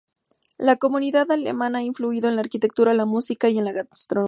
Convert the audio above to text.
La comunidad alemana ha influido en la arquitectura, la música y en la gastronomía.